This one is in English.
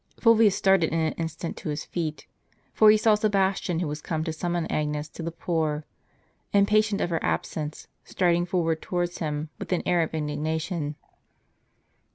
Fulvius started in an instant to his feet; for he saw Sebastian, who was come to summon Agnes to the poor, impatient of her absence, striding forward towards him, with an air of indignation.